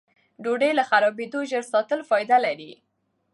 ډوډۍ له خرابېدو ژر ساتل فایده لري.